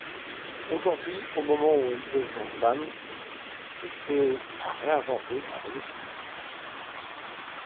Aujourd'hui, au moment où elle devient femme, tout est à réinventer, à redéfinir.